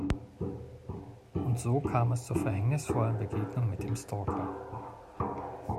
Und so kam es zur verhängnisvollen Begegnung mit dem Stalker.